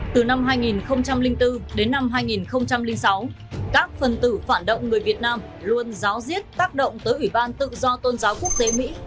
từ năm hai nghìn bốn đến năm hai nghìn sáu các phần tử phản động người việt nam luôn giáo diết tác động tới ủy ban tự do tôn giáo quốc tế mỹ